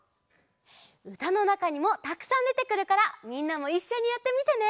うたのなかにもたくさんでてくるからみんなもいっしょにやってみてね！